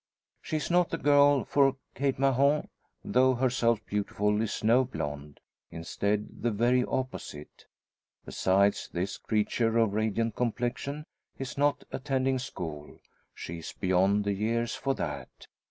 She is not the girl, for Kate Mahon, though herself beautiful, is no blonde; instead, the very opposite. Besides, this creature of radiant complexion is not attending school she is beyond the years for that.